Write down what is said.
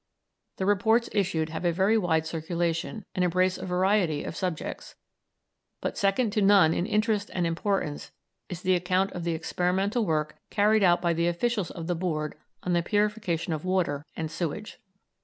The reports issued have a very wide circulation, and embrace a variety of subjects, but second to none in interest and importance is the account of the experimental work carried out by the officials of the Board on the purification of water and sewage.